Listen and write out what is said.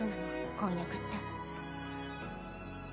婚約って